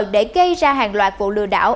để gây ra hàng loạt vụ lừa đảo